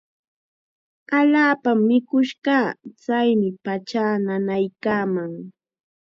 Allaapam mikush kaa. Chaymi pachaa nanaykaaman.